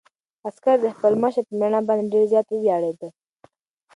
عسکر د خپل مشر په مېړانه باندې ډېر زیات وویاړېد.